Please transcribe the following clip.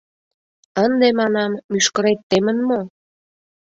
— Ынде, манам, мӱшкырет темын мо?